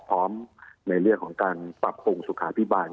พร้อมในเรื่องของการปรับปรุงสุขาพิบาล